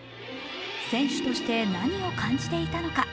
選手として何を感じていたのか？